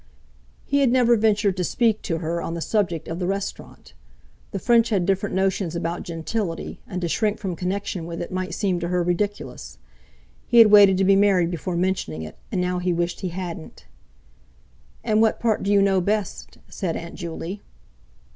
He had never ventured to speak to her on the subject of the restaurant. The French had different notions about gentility, and to shrink from connection with it might seem to her ridiculous; he had waited to be married before mentioning it; and now he wished he hadn't. "And what part do you know best?" said Aunt Juley.